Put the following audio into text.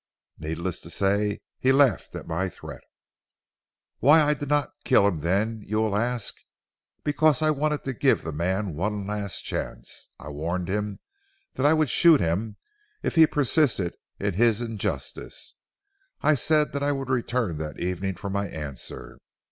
Needless to say he laughed at my threat. "Why did I not kill him then you will ask? Because I wanted to give the man one last chance. I warned him that I would shoot him if he persisted in his injustice. I said that I would return that evening for my answer.